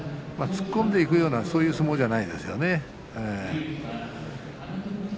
突っ込んでいくようなそういう相撲じゃないですよね。